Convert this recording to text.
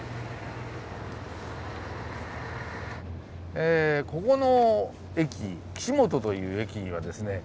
えここの駅岸本という駅にはですね